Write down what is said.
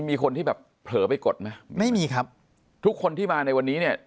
มีคนที่แบบเผลอไปกดไหมไม่มีครับทุกคนที่มาในวันนี้เนี่ย